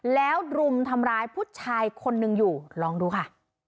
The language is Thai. แล้วรุมทำร้ายผู้ชายคนหนึ่งอยู่ลองดูค่ะ